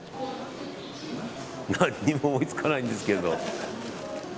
何も思いつかないんですけど。